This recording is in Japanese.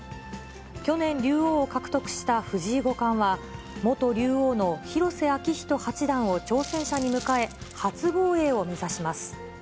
去年、竜王を獲得した藤井五冠は、元竜王の広瀬章人八段を挑戦者に迎え、初防衛を目指します。